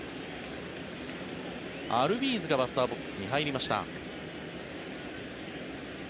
アルビーズがバッターボックスに入りました。